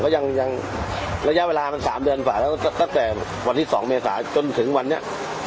ก็ยังระยะเวลามัน๓เดือนกว่าแล้วตั้งแต่วันที่๒เมษาจนถึงวันนี้